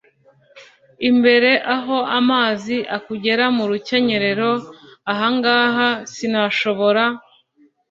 imbere aho amazi akugera mu rukenyerero, ahangaha sinashobora